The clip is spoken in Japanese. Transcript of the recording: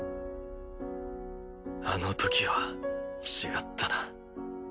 あのときは違ったな。